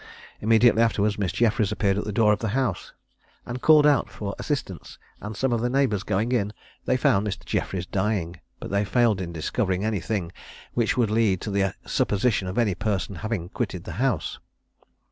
Immediately afterwards Miss Jeffries appeared at the door of the house, and called out for assistance, and some of the neighbours going in, they found Mr. Jeffries dying, but they failed in discovering any thing which could lead to the supposition of any person having quitted the house.